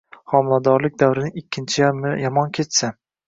Homiladorlik davrining ikkinchi yarmi yomon kechsa